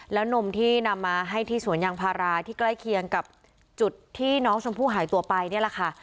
แล้วนมที่นำมาให้ที่สวนยางพาราที่ใกล้เคียงกับจุดที่น้องชมพู่หายตัวไปนี่แหละค่ะ